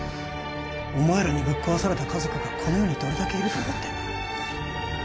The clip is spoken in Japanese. お前らにぶっ壊された家族がこの世にどれだけいると思ってんだ？